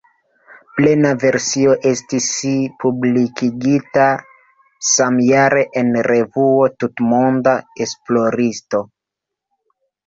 Plena versio estis publikigita samjare en revuo "Tutmonda esploristo".